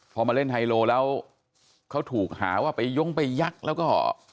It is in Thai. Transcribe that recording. พอมาเล่นไฮโลแล้วเขาถูกหาว่าไปย้งไปยักษ์แล้วก็